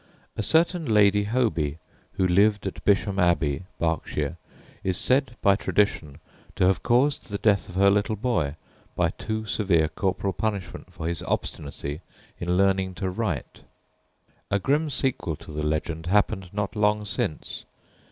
A certain Lady Hoby, who lived at Bisham Abbey, Berkshire, is said by tradition to have caused the death of her little boy by too severe corporal punishment for his obstinacy in learning to write, A grim sequel to the legend happened not long since.